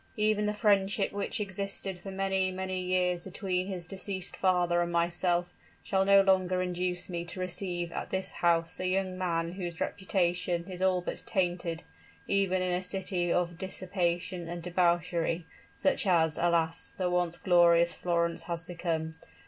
Even the friendship which existed for many, many years between his deceased father and myself, shall no longer induce me to receive at this house a young man whose reputation is all but tainted, even in a city of dissipation and debauchery, such as, alas! the once glorious Florence has become!